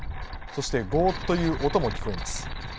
そしてゴーッという音も聞こえます。